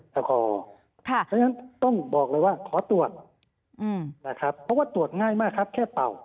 เพราะฉะนั้นต้องบอกเลยว่าขอตรวจนะครับเพราะว่าตรวจง่ายมากครับแค่เป่า